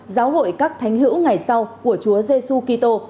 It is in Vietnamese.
giáo hội các thánh hữu ngày sau của chúa giê xu kỳ tô